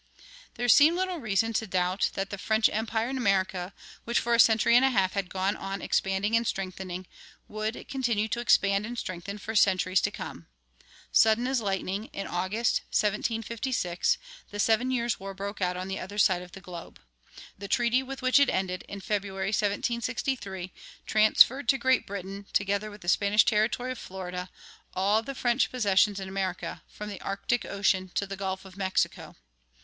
"[22:1] There seemed little reason to doubt that the French empire in America, which for a century and a half had gone on expanding and strengthening, would continue to expand and strengthen for centuries to come. Sudden as lightning, in August, 1756, the Seven Years' War broke out on the other side of the globe. The treaty with which it ended, in February, 1763, transferred to Great Britain, together with the Spanish territory of Florida, all the French possessions in America, from the Arctic Ocean to the Gulf of Mexico.